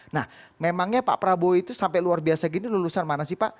nah memangnya pak prabowo itu sampai luar biasa gini lulusan mana sih pak